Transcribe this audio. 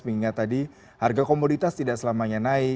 mengingat tadi harga komoditas tidak selamanya naik